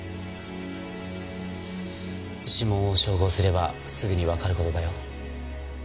指紋を照合すればすぐにわかる事だよ。